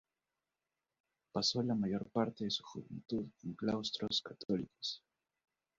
Pasó la mayor parte de su juventud en claustros católicos.